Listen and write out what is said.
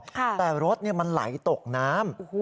แต่รถมันไหลตกน้ำ